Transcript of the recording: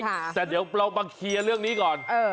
แต่เดี๋ยวเรามาเคลียร์เรื่องนี้ก่อน